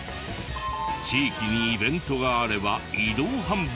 地域にイベントがあれば移動販売へ。